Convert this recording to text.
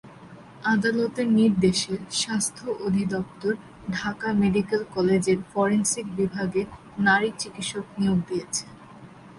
আদালতের নির্দেশে স্বাস্থ্য অধিদপ্তর ঢাকা মেডিকেল কলেজের ফরেনসিক বিভাগে নারী চিকিৎসক নিয়োগ দিয়েছে।